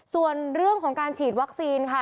ส่วนเรื่องของการฉีดวัคซีนค่ะ